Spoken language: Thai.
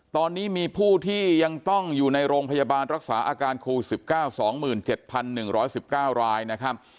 ตอนนี้มีผู้ที่ยังต้องอยู่ในโรงพยาบาลรักษาอาการโควิด๑๙๒๗๑๑๙รายนะครับ